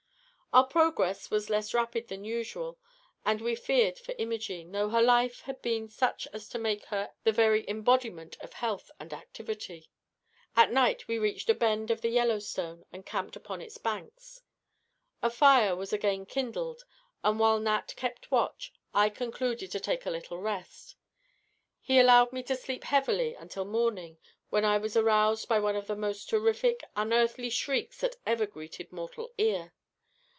Our progress was less rapid than usual, as we feared for Imogene, although her life had been such as to make her the very embodiment of health and activity. At night we reached a bend of the Yellowstone, and camped upon its banks. A fire was again kindled, and while Nat kept watch, I concluded to take a little rest. He allowed me to sleep heavily until morning, when I was aroused by one of the most terrific, unearthly shrieks that ever greeted mortal ear.